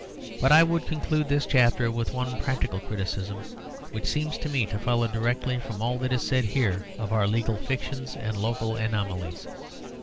But I would conclude this chapter with one practical criticism which seems to me to follow directly from all that is said here of our legal fictions and local anomalies.